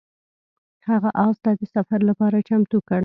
هغه اس ته د سفر لپاره چمتو کړ.